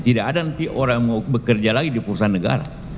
tidak ada nanti orang yang mau bekerja lagi di perusahaan negara